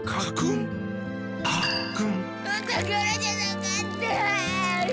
おたからじゃなかった！